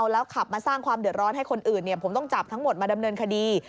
แล้วขับมาสร้างความเดือดร้อนให้คนอื่นผมต้องจับทั้งหมดมาดำเนินคดี